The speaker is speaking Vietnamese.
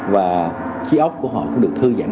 và trí óc của họ cũng được thư giãn